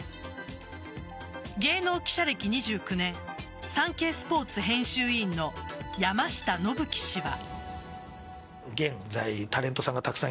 芸能記者歴２９年サンケイスポーツ編集委員の山下伸基氏は。